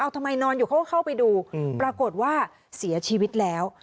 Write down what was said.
ทำไมนอนอยู่เขาก็เข้าไปดูปรากฏว่าเสียชีวิตแล้ว